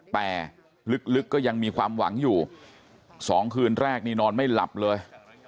แต่ลึกก็ยังมีความหวังอยู่๒คืนแรกนี่นอนไม่หลับเลย